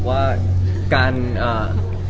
คั้นก็อย่างนั้น